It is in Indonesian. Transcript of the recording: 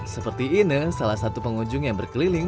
seperti ine salah satu pengunjung yang berkeliling